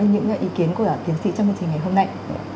cảm ơn những ý kiến của tiến sĩ trong chương trình ngày hôm nay